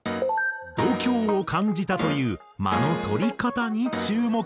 度胸を感じたという間の取り方に注目。